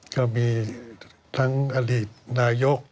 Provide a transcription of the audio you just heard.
ก็มีทั้งอดีตนายก